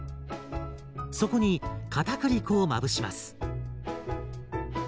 そこにかたくり粉をまぶします。